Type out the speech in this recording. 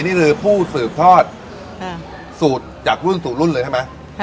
นี่คือผู้สืบทอดสูตรจากรุ่นสู่รุ่นเลยใช่ไหม